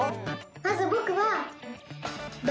まず僕は。